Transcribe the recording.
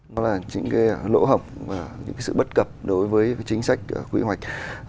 đó là những cái lỗ hổng và những cái sự bất cập đối với chính sách quy hoạch